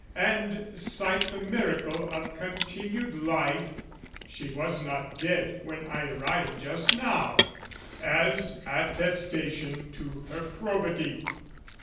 And cite the miracle of continued life (She was not dead when I arrived just now) As attestation to her probity.